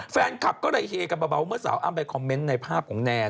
แฟนคลับก็เลยเฮกันเบาเมื่อสาวอ้ำไปคอมเมนต์ในภาพของแนน